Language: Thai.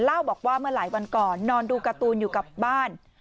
เล่าบอกว่าเมื่อหลายวันก่อนนอนดูการ์ตูนอยู่กับบ้าน